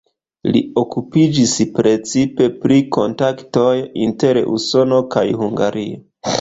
Li okupiĝis precipe pri kontaktoj inter Usono kaj Hungario.